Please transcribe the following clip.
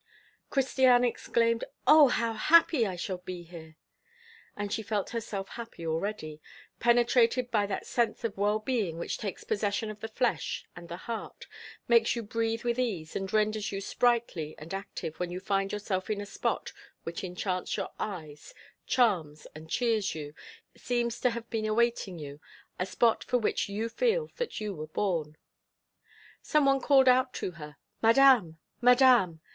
Christiane exclaimed: "Oh! how happy I shall be here!" And she felt herself happy already, penetrated by that sense of well being which takes possession of the flesh and the heart, makes you breathe with ease, and renders you sprightly and active when you find yourself in a spot which enchants your eyes, charms and cheers you, seems to have been awaiting you, a spot for which you feel that you were born. Some one called out to her: "Madame, Madame!"